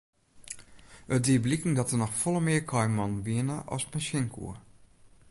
It die bliken dat der noch folle mear kaaimannen wiene as men sjen koe.